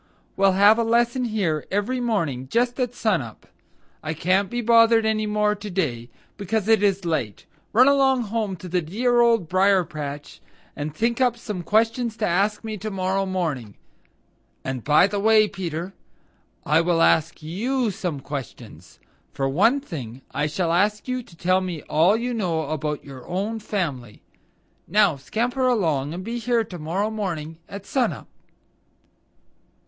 We'll have a lesson here every morning just at sun up. I can't be bothered any more to day, because it is late. Run along home to the dear Old Briar patch and think up some questions to ask me to morrow morning. And, by the way, Peter, I will ask YOU some questions. For one thing I shall ask you to tell me all you know about your own family. Now scamper along and be here to morrow morning at sun up."